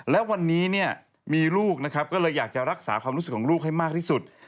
และวันนี้เนี่ยมีลูกนะครับก็เลยอยากจะรักษาความรู้สึกของลูกให้มากที่สุด